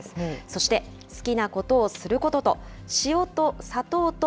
そして好きなことをすることと、塩と砂糖と。